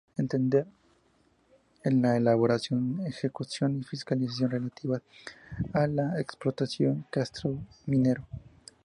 Entender en la elaboración, ejecución y fiscalización relativas a la explotación y catastro minero.